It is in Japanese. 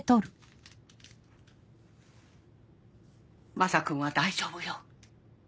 まさ君は大丈夫よ。